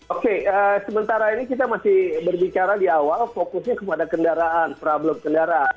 oke sementara ini kita masih berbicara di awal fokusnya kepada kendaraan problem kendaraan